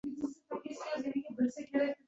Tovonidan shildilar…